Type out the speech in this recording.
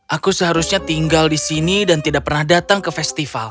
aku seharusnya tinggal di sini dan tidak pernah datang ke festival